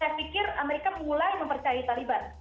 saya pikir amerika mulai mempercayai taliban